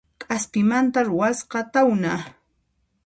K'aspimanta ruwasqa tawna